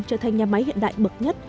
trở thành nhà máy hiện đại bậc nhất